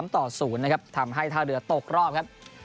ต่อ๐นะครับทำให้ท่าเรือตกรอบครับ